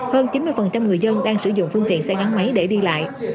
hơn chín mươi người dân đang sử dụng phương tiện xe gắn máy để đi lại